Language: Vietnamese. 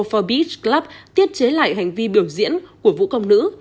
for beach club tiết chế lại hành vi biểu diễn của vũ công nữ